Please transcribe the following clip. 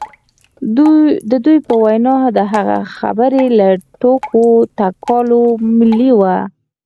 د دوی په وینا د هغه خبرې له ټوکو ټکالو ملې وې